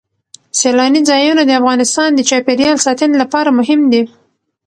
سیلانی ځایونه د افغانستان د چاپیریال ساتنې لپاره مهم دي.